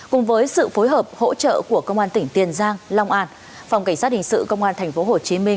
cùng với sự phối hợp hỗ trợ của công an tỉnh tiền giang long an phòng cảnh sát hình sự công an tp hcm